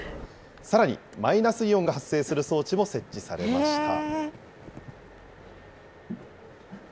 さらにマイナスイオンが発生する装置も設置されました。